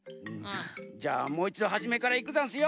じゃあもういちどはじめからいくざんすよ。